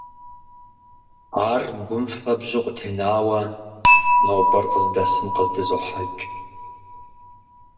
Ар гум фэбжьу къытенауэ нобэр къыздэсым къыздызохьэкӀ.